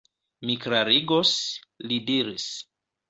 Mi klarigos, li diris.